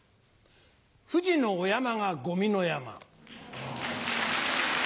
富士のお山がゴミの山。